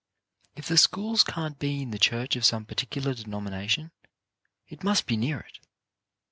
If the school can't be in the crmrch of some particular denomination, it must be near it.